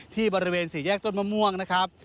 ที่บริเวณสี่แยกต้นมะม่วงนะครับ